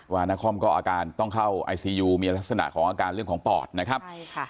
วานครมก็ต้องเข้าไอซียูมีลักษณะของอาการเรื่องปอดนะครับ